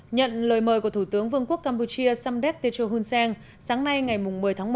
nhận lời mời của thủ tướng vương quốc campuchia samdet techo hunseng sáng nay ngày một mươi tháng một